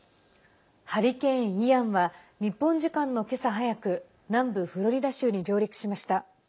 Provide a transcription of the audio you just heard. ハリケーン、イアンは日本時間の今朝早く南部フロリダ州に上陸しました。